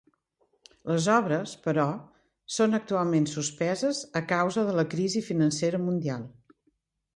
Les obres, però, són actualment "sospeses" a causa de la crisi financera mundial.